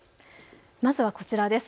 まずはこちらです。